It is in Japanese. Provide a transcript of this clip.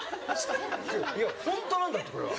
いやホントなんだってこれは。